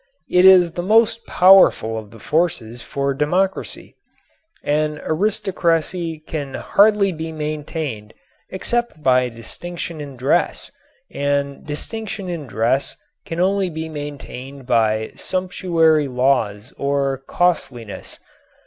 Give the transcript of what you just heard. It is the most powerful of the forces for democracy. An aristocracy can hardly be maintained except by distinction in dress, and distinction in dress can only be maintained by sumptuary laws or costliness.